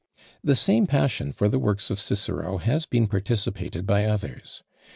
The same passion for the works of Cicero has been participated by others.